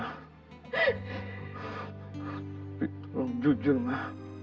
tapi tolong jujur ma